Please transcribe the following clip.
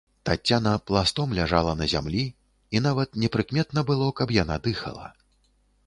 Таццяна пластом ляжала на зямлі, і нават непрыкметна было, каб яна дыхала.